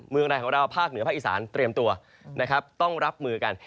เมืองในของเราภาคเหนือภาคอีสานเตรียมตัวนะครับต้องรับมือกัน